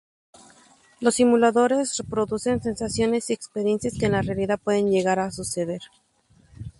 Los simuladores reproducen sensaciones y experiencias que en la realidad pueden llegar a suceder.